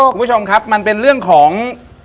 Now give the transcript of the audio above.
คุณผู้ชมครับมันเป็นเรื่องของ